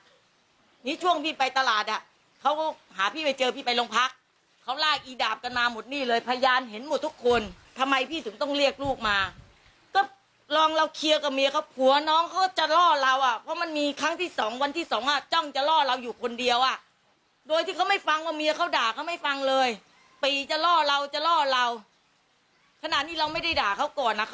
ว่าเดี๋ยวจะมีเตยกันที่ตลาดนี้ช่วงพี่ไปตลาดอ่ะเขาก็หาพี่ไปเจอพี่ไปลงพักนี้ช่วงพี่ไปตลาดอ่ะเขาก็หาพี่ไปเจอพี่ไปลงพักเขาลากอีดาบกันมาหมดนี้เลยพยานเห็นหมดทุกคนเขาลากอีดาบกันมาหมดนี้เลยพยานเห็นหมดทุกคนทำไมพี่ถึงต้องเรียกลูกมาทำไมพี่ถึงต้องเรียกลูกมาก็ลองเราเคลียร์กับเมียเขาผัวน้องก็